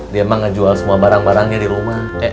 dia emang ngejual semua barang barangnya di rumah